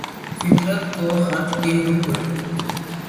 فطرت کو خرد کے روبرو